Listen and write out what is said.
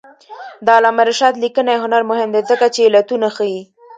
د علامه رشاد لیکنی هنر مهم دی ځکه چې علتونه ښيي.